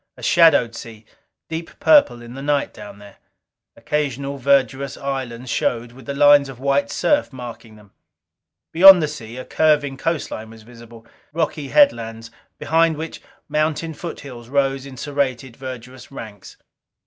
A shadowed sea, deep purple in the night down there. Occasional verdurous islands showed, with the lines of white surf marking them. Beyond the sea, a curving coastline was visible. Rocky headlines, behind which mountain foothills rose in serrated, verdurous ranks.